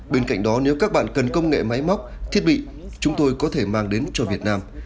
bên cạnh đó nếu các bạn cần công nghệ máy móc thiết bị chúng tôi có thể mang đến cho việt nam